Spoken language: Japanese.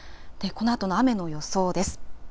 このあとの雨の予想です。